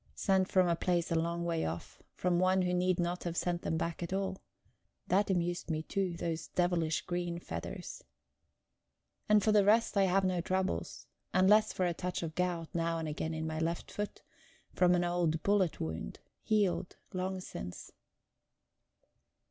Sent from a place a long way off; from one who need not have sent them back at all. That amused me too, those devilish green feathers. And for the rest I have no troubles, unless for a touch of gout now and again in my left foot, from an old bullet wound, healed long since.